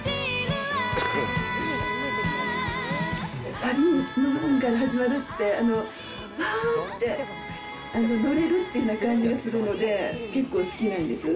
サビの部分から始まるって、わーって乗れるっていう感じがするので、結構好きなんです。